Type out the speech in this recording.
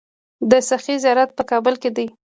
د سخي زیارت په کابل کې دی